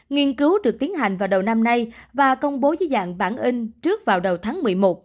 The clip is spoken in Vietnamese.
nghiên cứu được tiến hành vào đầu năm nay và công bố dưới dạng bản in trước vào đầu tháng một mươi một